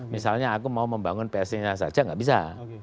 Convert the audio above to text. misalnya aku mau membangun psc nya saja nggak bisa